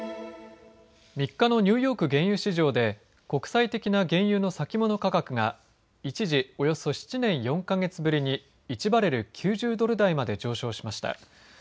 ３日のニューヨーク原油市場で国際的な原油の先物価格が一時、およそ７年４か月ぶりに１バレル９０ドル台まで上昇しました。